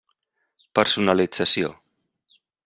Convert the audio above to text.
Personalització.